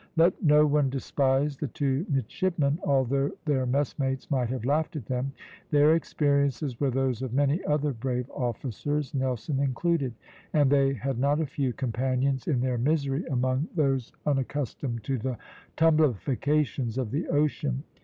Let no one despise the two midshipmen, although their messmates might have laughed at them. Their experiences were those of many other brave officers, Nelson included; and they had not a few companions in their misery among those unaccustomed to the tumblifications of the ocean.